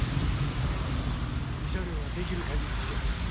慰謝料はできる限り支払う。